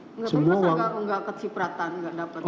enggak terima saja enggak kecipratan enggak dapat